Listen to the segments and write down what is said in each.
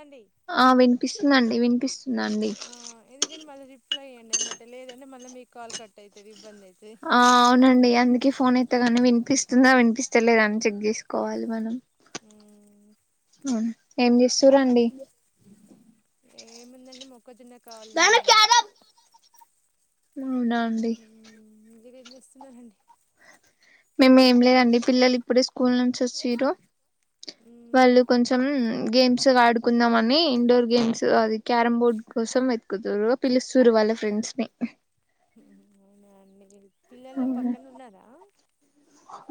అండి ఆ వినిపిస్తుందండి వినిపిస్తుందండి ఆ ఎందుకంటే మళ్ళీ రిప్లై ఇవ్వండి ఎంబటే లేదంటే మళ్ళి మీకు కాల్ కట్ అవుతుది ఇబ్బంది అయి ఆ అవునండి అందుకే ఫోన్ ఎత్తగానే వినిపిస్తుందా వినిపిస్తలేదా అని చెక్ చేసుకోవాలి మనం మ్మ్ ఆ ఏం చేస్సురండి మొక్కజొన్నకి కావాల ఉన్నామండి అవునా అండి మీరు ఏం చేస్తున్నారండి. మేము ఏం లేదండి పిల్లలు ఇప్పుడే స్కూల్ నుంచి వచ్చిరు. మ్మ్ వాళ్ళు కొంచం గేమ్ స్ ఆడుకుందామని ఇండోర్ గేమ్స్ అది క్యారమ్ బోర్డ్ కోసం వెతుకుతారు పిలుస్తురు వాళ్ళ ఫ్రెండ్స్ ని అవునా [unintelligible] పిల్లలు పక్కన ఉన్నారా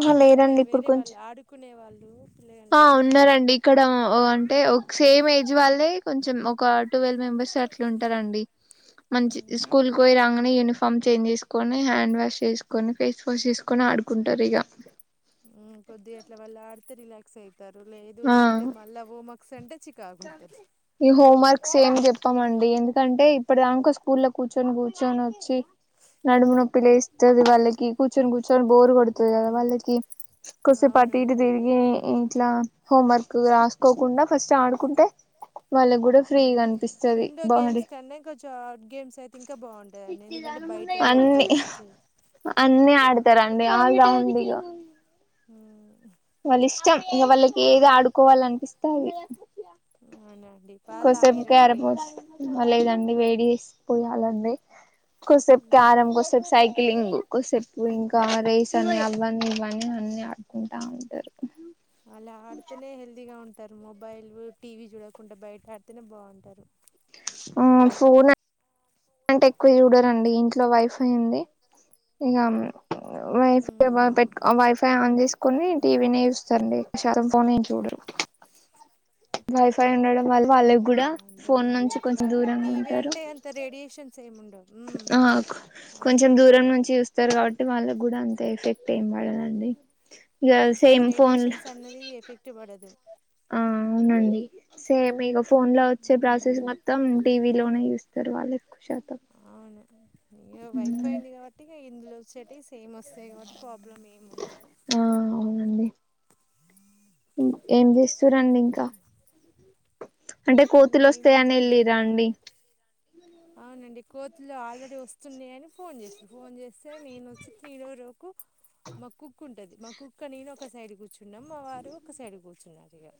ఆ ఉంటే లేరండి ఇప్పుడు వేరే వాళ్ళు కొంచెం ఆడుకునే వాళ్ళు [unintelligible] ఆ ఉన్నారండి ఇక్కడ అంటే ఒక సేమ్ ఏజ్ ఏజ్ వాళ్ళే కొంచెం ఒక టువెల్వ్ మెంబర్స్ అట్లా ఉంటరండి. మంచి మ్మ్ స్కూల్కి పోయి రాగానే యూనిఫార్మ్ చేంజ్ చేసు కొని హ్యాండ్ వాష్ చేేసుకొని ఫేస్ వాష్ చేసుకొని ఆడుకుంటారు ఇగ. ఉమ్ కొద్దిగా ఇట్ల వాళ్లు ఆడితే రిలాక్స్ అయి ఆ అంటే చికాకు పడతారు ఈ హోమ్ వర్క్స్ ఏమి చెప్పామండి ఏందు కంటే ఇప్పుడ్ దాంక స్కూల్ల్లో కూర్చొని కూర్చొని వచ్చి నడుము నొప్పి లేస్తది వాళ్ళకి కూర్చొని కూర్చొని బోరు కొడుతది కదా అవును వాళ్ళకి కొసేపు అటు అవునండి ఇటు అంతే తిరిగి ఇట్లా హోం వర్క్ రాసుకోకుండా ఫస్ట్ ఆడుకుంటే వాళ్ళకి కూడా ఫ్రీగా అనిపిస్తది ఇండోర్ బాడీ గేమ్స్ కన్నా కొంచెం అవుట్ గేమ్స్ అయితే ఇంకా బాగుంటదండి ఎందుకంటే బయట రోడ్డు అన్ని అన్ని ఆడు [unintelligible] ఆల్ రౌండ్ ఇగా హు వాళ్ళ ఇష్టం ఇంకా వాళ్ళకి ఏది ఆడుకోవాలి అనిపిస్తే అది అవునండి పాలు కొసేపు క్యారం తాగిరండి బోర్డ్స్ వాళ్లు ఏది అం వేడి చేసి పోయాలండి కొసేపు క్యారం కొసేపు సైక్లింగ్ కొసేపు ఇంకా రేస్ అని అవన్నీ ఇవన్నీ అన్ని ఆడుకుంటా టరు అలా ఆడితేనే హెల్తీగా ఉంటారు మొబైల్ టీవీ చూడకుండా బయట ఆడితేనే బాగుంటారు. హుమ్ ఫోన్ అంటే ఎక్కువ చూడరండి ఇంట్లో వైఫై ఉంది ఇగ వైఫై ఉమ్ పెట్కో వైఫై ఆన్ చేసు కొని టీవీనే చూస్తారండి ఎక్కువ శాతం ఫోన్ ఏం చూడరు. వైఫై ఉండడం వల్ల ఆ వాళ్ళకి కూడా ఫోన్ అదేలేండి నుంచి అట్లా కొంచెం దూరంగా టీవీ ఉంటారు. అంటే అంత రేడియేషన్స్ ఏమి ఉండవు ఆ అవును కొంచెం దూరం నుంచి చూస్త ఉంటారు కాబట్టి వాళ్ళకి కూడా అంత ఎఫెక్ట్ ఏ పడదండి ఇక అంత సేమ్ ఫోన్ రేడియేషన్స్ అన్నది ఎఫెక్ట్ పడదు ఆ ఆవునండి సేమ్ ఇగ ఫోన్ లో వచ్చే ప్రాసెస్ మొత్తం టీవి లోనే చూస్తారు ఎక్కువ శాతం [inaudible] ఇగ వైఫై ఉంది కాబట్టి ఇందులో చెటిష్ సేమ్ వస్తాయి కాబట్టి ప్రాబ్లం ఏమి ఉండదు ఆ అవునండి ఏం చేస్తుర్రు అండి ఇంకా అంటే కోతులు వస్తాయని ఇంకేముందంటే ఏం వెళ్ళిరా లేదు అండి అవునండి కోతులు ఆల్రెడీ వస్తుంనాయని ఫోన్ చేసిన ఫోన్ చే స్తే నేను వచ్చి తీరోరోకు మా కుక్క ఉంటది మా కుక్క నేను ఒక సైడ్ కూర్చునం మా వారు ఒక సైడ్ కూర్చున్నారు ఇగా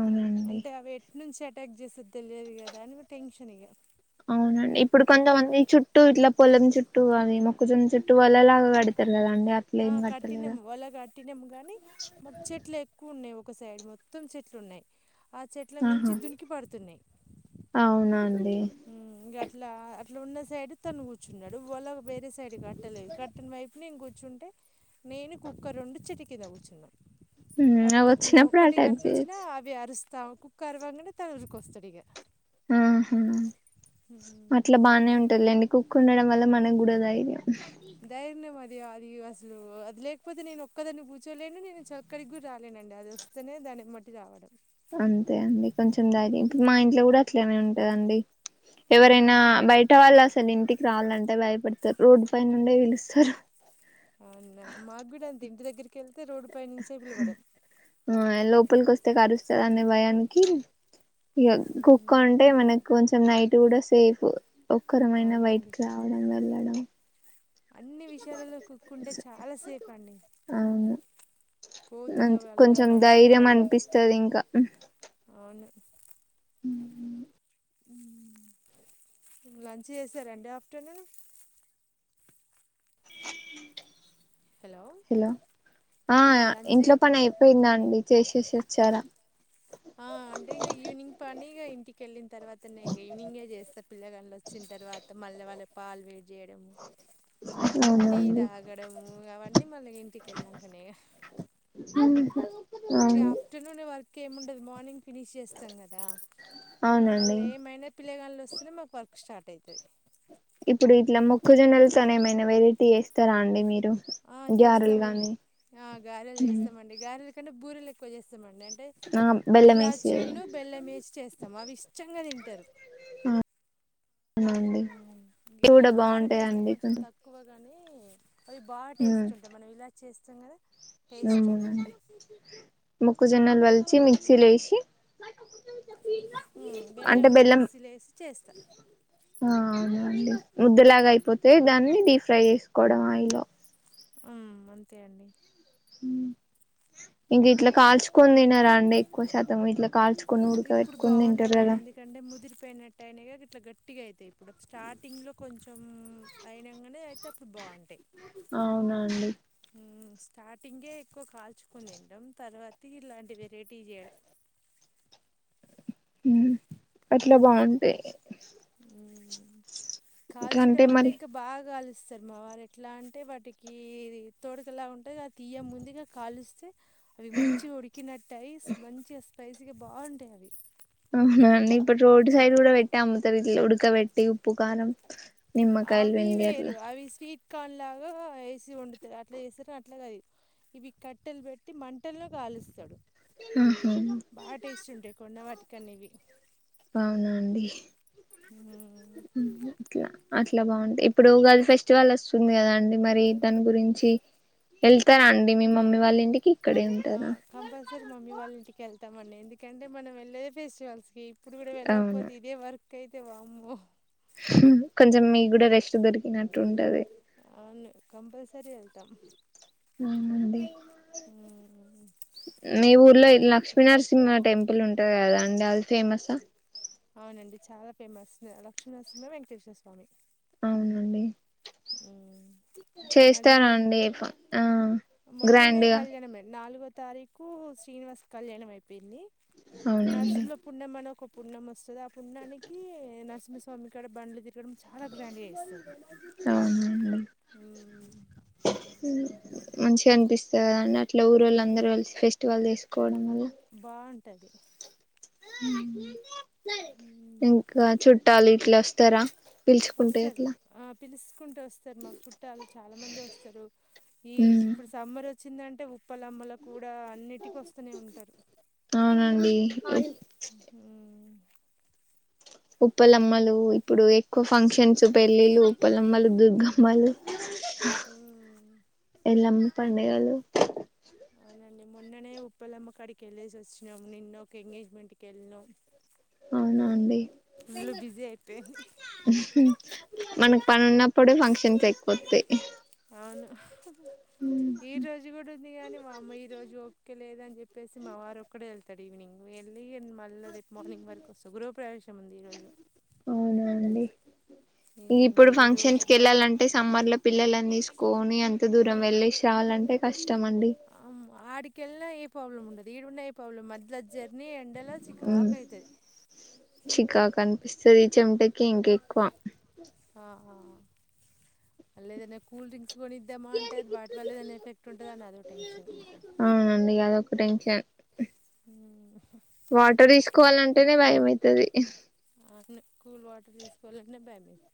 అవునండి అంటే అవి నుంచి అటాక్ చేసద్ తెలియదు కదా అని టెన్షన్ ఇగా అవునండి ఇప్పుడు కొంతమంది చుట్టూ ఇట్లా పొలం చుట్టూ అది మొక్కజున్న చుట్టూ వాలలాగా కడతారు కదా అండి ఆ అట్లేం కట్టలేదా కట్టినాం వల కట్టినాము గానీ మాకు చెట్లు ఎక్కువ ఉన్నాయి ఒక సైడ్ మొత్తం చెట్లు ఉన్నాయి ఆ చెట్ల ఆహా మించి దునికి పడుతున్నాయి అవునా అండి ఇట్లా అట్లా ఉన్న సైడ్ తను కూర్చున్నాడు వలా వేరే సైడ్ ది కట్టలేదు కట్టిన వైపు నేను కూర్చు కూర్చుంటే నేను కుక్క రెండు చెట్టు కింద కూర్చున్నాం హ్మ్ అవి కొద్దిగా వచ్చినప్పుడు ఒక్కటిగా అటాక్ కనిపించినా చేయొచ్చు అవి అరుస్త కుక్కా అరవంగానే తను ఊరుకు వస్తడిగ ఆ హు అట్లా బానే ఉంటది లేండి కుక్క ఉండడం వల్ల మనం కూడా ధైర్యం ధైర్య్నం అది అది అది అసలు అది లేకపోతే నేను ఒక్కదాన్ని కూర్చోలేను నేను చక్కడికి గు రాలేనండి అది వస్తేనే దాన్ని బట్టి రావడం అంతే అండి కొంచెం ధైర్యం ఇప్పుడు మా ఇంట్లో కూడా అట్లనే ఉంటదండి ఎవరైనా బయట వాళ్ళు అసలు ఇంటికి రావాలంటే భయపడ పడతారు రోడ్డు పైనుండే పిలుస్తారు అవునులే మాగూడ అంతే ఇంటి దగ్గరికెళ్ ఆ లోపలికి వస్తే కురుస్తది అ భయానికి ఇగ మ్మ్. కుక్క ఉంటే మనకు కొ నైట్ కూడ సేఫ్ ఒక్కరమైన అవునండి బయటకి రావడం వెళ్ళడం అన్ని విషయాలలో కుక్కుంటే చాల సేఫ్ అండి అవును కోతుల మంచి వల్ల కొంచెం మనుషుల ధైర్యం వల్ల అనిపిస్తది ఇంకా అవును లంచ్ చేశారండి ఆఫ్టర్నూన్ హలో ఆ లంచ్ ఇంట్లో పని చే- అయిపోయింద అండి చేసే చార ఆ అంటే ఇగ ఈవినింగ్ పని ఇంటికెళ్ళిన తర్వాత ఈవనింగే చేస్త పిల్లగలు వచ్చిన తర్వాత మళ్ళె వాళ్ళ పాలు వేడి యడం టీ అవునండి తాగడము అవన్నీ మళ్ళీ ఇంటికి వెళ్లినంకనే అవును ఇగ ఆఫ్టర్నూన్ వాల్ ఏము ఉండదు మార్నింగ్ ఫినిష్ చేస్తాం కదా అవునండి మళ్ళీ ఏమైనా పిల్లగాళ్లు వస్తేనే మాకు వర్క్ స్టార్ట్ [unintelligible] ఇప్పుడు ఇట్లా మొక్క జొన్నలతోనే ఏమైనా వెరైటీ వేస్తారా అండి మీరు ఆ గ్యారెలు చేస్తావ్ గానీ ఆ గారెలు చేస్తామండి గారెలు కానీ బూరలు ఎక్కువ చేస్ [unintelligible] అంటే ఆ బెల్లం ఇలా చూ వేసేవి బెల్లం ఏసి చేస్తాం అవి ఇష్టంగా తి తరు అవునండి కూడ కారం వేస్తే బాగుంటాయండి కొంచెం తక్కువగాని అవి బా ఉమ్, టేస్ట్ ఉంటాయి మనం ఇలా చేస్తాం కదా టేస్ట్ ఉంటాయ్ మొక్కజొన్న వల్చి మిక్స లేసి బెల్లం కూడ మిక్సీలో ఏసి చేస్తా అవునండి ముద్దలాగ అయిపోతే దాన్ని డీప్ ఫ్రై చేసుకోవడం అయిలో ఆ అంతే అండి హు ఇంక ఇట్లా కాల్చుకొని తినార అండి ఎక్కువ శాత ఇ కాల్ ఇప్పుడు బాగుండవండి ఎందుకంటే ముదిరిపోయినట్టు గట్ట అయినా కాక ఇట్లా గట్టిగా అవుతయి ఇప్పుడు స్టార్టింగ్లో కొంచెం అయినా కానే అయితే అప్పుడు బాగుంటాయి అవునాండి స్టార్టింగే ఎక్కువ కాల్చుకుొని తినడం తర్వాత ఇలాంటి వెరైటీ చేయడం అట్లా బాగుంటాయి ఇంకంటే కాల్చడం అంటే మరి ఇంకా బాగా కాలు ఇస్తారు మా వారు ఎట్లా అంటే వాటికి తోడకలా ఉంటుంది అ తీయ్య ముందుగా కాలుస్తే అవి మంచిగా ఉడికినట్టటుయి మంచిగా స్పైసీగా బాగుంటాయి అవి ఆ నన్నడి ఇప్పు రోడ్ సైడ్ కూడా వెట్టామ్ముత వెెట్టి ఉప్పు కారం నిమ్మకాయలు అవి పిండి వేరు అట్లా అవి స్వీట్ కానిలాగా వేసి వండుతాడు అట్లా చేస్తడు అట్లాగా అ ఇవి కట్టెలు పెట్టి మంటల్లో కాలుస్తాడు ఆహా బాగా టేస్ట్ ఉంటాయి కొన్న వాటికి కనీవి బవునా అండిలా అట్లా బాగుంటంది ఇప్పుడు గది ఫెస్టివల్ వస్తుంది కదా అండి మరి దాని గురించి వెళ్తారా అండి మీ మమ్మీ వాళ్ళ ఇంటికి ఇక్కడే ఆ ఉంటారా కంపల్సరీ మమ్మీ వాళ్ళ ఇంటికిళ్త ఇస్తామండి ఎందుకంటే మనం వెళ్ళేది ఫెస్టివల్స్ కి ఇప్పుడు కూడా అవును వెళ్ళకపోతే ఇదే వర్క్ కైతే వామ్ము హహ కొంచెం మీకు కూడా రెస్ట్ దొరికినట్టు ఉంటది సర వెళ్తాం అదే ఉమ్, నవుఊర్లో లక్ష్మీనరసింహ టెంపుల్ ఉంటది కదా అండి అది ఫేమసా అవునండి చాలా ఫేమస్ లక్ష్మీనరసింహ వెంకటేశ్వర స్వామి అండి ఉమ్, అది మొన్ చేస్తారాండి ఆ మొన్ననే గ్రాండ్గా కళ్యాణం నాలుగో తారీఖు శ్రీనివాస్ కళ్యాణం అయిపోయింది అవునండి నరసింహల పుణమాను ఒక పున్నం వస్తుంది ఆ పున్నాానికి నరసింహస్వామి ఇక్కడ బండ్లు తిరగడం చాలా గ్రాండ్గా చేస్తారు అవు హహ మంచిగా అనిపిస్తుంది అండి అట్లా ఊరిళ్ళు అందరుూ కలిసి ఫెస్టివల్ తీసుకోవడం బాన్ టది ఉమ్ ఇంకా చుట్టాలి ట్లాస్తారా వస్తారు ఆ పిలుస్త చుట్ట వస్తారు మా చుట్టాలు చాలా మంది వస్తారు ఈ ఉమ్ ఇప్పుడు సమ్మర్ వ చిన్దంటే ఉప్పల అమ్మల కూడా అన్నిటికి వస్తూనే ఉంటారు అవునండి ఉప్పలమ్మలు ఇప్పుడు ఎ ఎక్కువ ఫంక్షన్స్ పెళ్ళిళ్ళ ఉపలమ్మలు దుర్గమ్మలు ఎల్లమ్మ పండగలు నండి మొన్ననే ఉప్పలమ్మ కాడికి వెళ్ళేసి వచ్చినాం నిన్న ఒక ఎంగేజ్మెంట్కి వెళ్ళాం అవునా అండి ఫుల్లు బిజీ అయిపోయింది మనకు పనున్న ఇప్పుడు పంక్షన్ గొప్పే అవును ఈ రోజు కూడా ఉంది కానీ మా అమ్మ ఈ రోజు ఓపికలేదని చెప్పేసి మా వారు ఒక్క వెళ్తారు కడివినింగ్ వెళ్ ఏందీ మళ్ళ రేపు మార్నింగ్ వరకు వస్త గృహ ప్ర్రవేశం ఉంది ఈ రోజు అవునా అండి ఈ ఇప్పుడు ఫంక్షన్స్ ఈరోజు కి వెళ్ళాలంటే సమ్మర్ లో పిల్లలని తీసుకొని అంత దూరం వెళ్ళసలంటే కష్ ఆమ ఆడి కెల్లా ఏ ప్రాబ్లమ్ ఉండదు ఈడున్నా ఏ ప్రాబ్లమ్ మధల జర్నీ ఎండలో చికాకైతది చికాకు అనిపిస్తది చెమటకి ఇంక ఎక్కువ ఆ ఆ మల్ల ఏధైన్నా కూల్ డ్రింక్స్ కొనిద్దామా అంటే అది వాటి వల్లే దాన్ని ఎఫెక్ట్ ఉంటుంది అని అదో టెన్షన్ టెక్షన్ వాటర్ ఇస్ కోవాలంటేనే భయమయితది అవును కూల్ వాటర్ తీసుకోవాలనే భయం అయితాది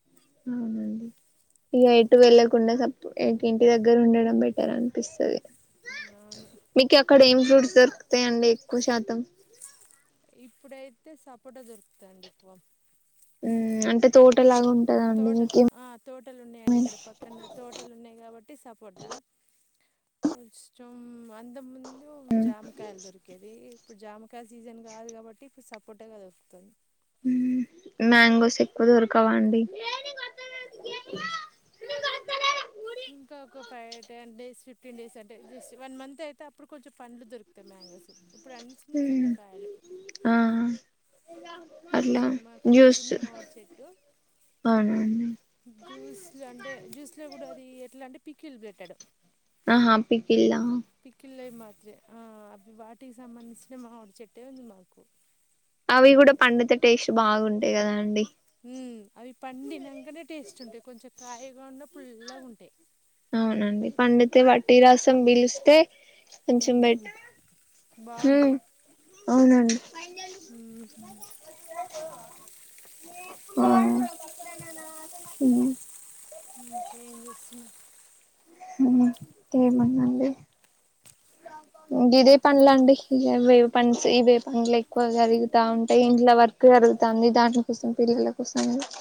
అవునండి ఇక ఎటు వెళ్ళకుండా సప్పు ఇంటి దగ్గర ఉండడం బెటర్ అనిపిస్తది అవును మీకు అక్కడ ఏం ఫ్రూట్స్ దొరుకుతాయిండి కుషతం ఇప్పుడైతే సపోట దొరుకుతాది అండి ఎక్కువ హు అంటే తోట తోటలు ఆ తోటలు ఉన్నాయండి ఇక్కడ పక్కన తోటలు ఉన్నాయి కాబట్టి సపోట కొంచం అంతకు ముందు జామ కాయలు దొరికేది ఇప్పుడు జామకాయ సీజన్ కాదు కాబట్టి ఇప్పుడు సపోటానే దొరుకుతుంది మ్యాంగోస్ ఎక్కువ దొరకవా అండి ఇంకోకా five ten days fifteen days అంటే జస్ట్ వన్ మంత్ అయితే అప్పుడు కొంచెం పండ్లు దొరుకుతాయి మ్యాంగోస్ ఇప్పుడు అన్నీ చిన్న హ్మ్ చిన్న కాయలే ఆ హు అట్లా మాకు ఒకటి జ్యూస్ ఉంది మామిడి చెట్టు అవునండి జ్యూస్ లో అంటే జ్యూస్ లో కూడా అది ఎట్లాంటే పికిల్ పెట్టాడు ఆహ పికిల్ ఆ అది వాటికి సంబంధించిన మామిడి చేట్టే ఉంది మాకు అవి కూడా పండితే టేస్ట్ బాగుంటాయి కదా అండి హు అవి పండినాకనే టేస్ట్ ఉంటాయి కొంచెం కాయగా ఉన్న పుల్లాగా ఉంటాయి అవునండి పండితే వట్టి రసం పీలిస్తే కొంచెం ఉమ్, బట్ హ్మ్మ్ బాగుంటాయి అవునండి ఉమ్, ఆ హ్మ్ ఇంకేం చేస్తున్నా తె మనడి ఉండేదె సరే పనులండి పంస్ ఇవే పండ్లు ఎక్కువ జరుగుతా ఉంటాయి ఇంట్లో వర్క్ జరుగుతుంది దానికోసం పిల్లల కోసం